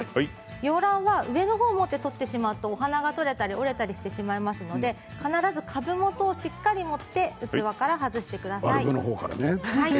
洋ランは上の方を持って取ってしまうと花が取れたり折れたりしてしまいますので必ず株元をしっかり持って器から外してください。